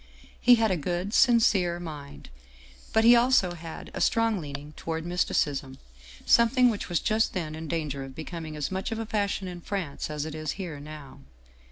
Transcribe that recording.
He had a good, sincere mind, but he had also a strong leaning toward mysticism, something which was just then in danger of becoming as much of a fashion in France as it is here now.